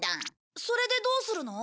それでどうするの？